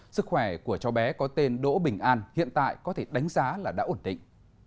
sức khỏe của cháu bé có tên đỗ bình an hiện tại có thể đánh giá là đã ổn định